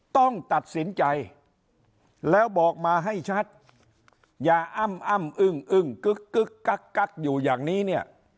ต้องตัดสินใจแล้วบอกมาให้ชัดอย่าอ้ำอ้ำอึ้งอึ้งกึ๊กกึ๊กกักอยู่อย่างนี้เนี่ย